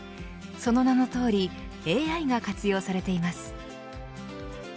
その名の通りＡＩが活用されています。